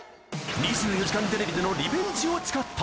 ２４時間テレビでのリベンジを誓った。